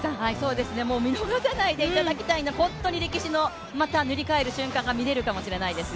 もう見逃さないでいただきたい、歴史を塗り替える瞬間が見られるかもしれないですよ。